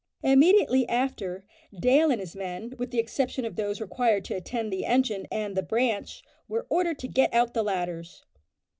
Immediately after, Dale and his men, with the exception of those required to attend the engine and the "branch," were ordered to get out the ladders.